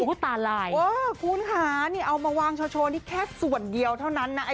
อุ๊ยตาลายคูณค้านี่เอามาวางชาวนี่แค่ส่วนเดียวเท่านั้นนะ